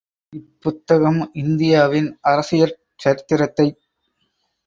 இப் புத்தகம் இந்தியாவின் அரசியற் சரித்திரத்தைச்